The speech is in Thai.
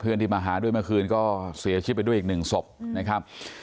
ที่มาหาด้วยเมื่อคืนก็เสียชีวิตไปด้วยอีกหนึ่งศพนะครับ